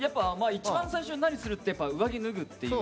一番最初何するって上着、脱って。